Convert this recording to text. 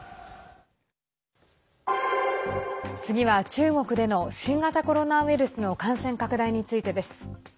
次は、中国での新型コロナウイルスの感染拡大についてです。